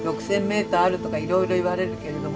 メーターあるとかいろいろ言われるけれどもね。